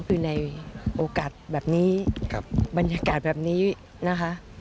คือในโอกาสแบบนี้บรรยากาศแบบนี้นะคะ